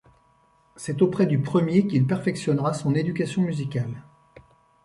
C’est auprès du premier qu’il perfectionnera son éducation musicale.